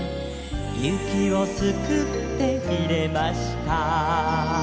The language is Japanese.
「雪をすくって入れました」